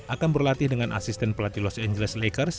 akan berlatih dengan asisten pelatih los angeles lakers